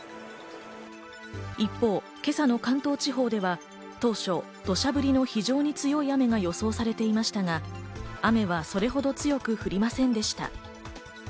一方、今朝の関東地方では当初、土砂降りの非常に強い雨が予想されていましたが、雨はそれほど強く降りませんでした。